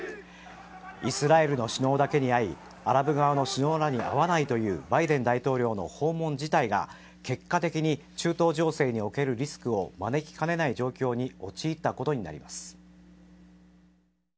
イスラエルの首脳だけに会いアラブ側の首脳らに会わないというバイデン大統領の訪問自体が結果的に中東情勢におけるリスクを招きかねない状況に陥ったことになります。